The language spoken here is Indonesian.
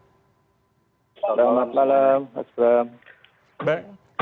selamat malam pak slam